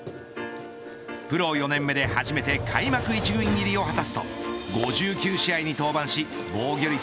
プロ４年目で初めて開幕一軍入りを果たすと５９試合に登板し防御率